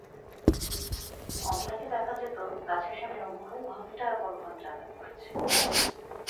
অমিতাকে দেখা যেত গাছের সামনে উবু হয়ে বসে ঘন্টার পর ঘন্টা আলাপ করছে।